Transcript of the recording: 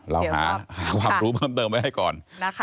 เราหาความรู้เพิ่มเติมไว้ให้ก่อน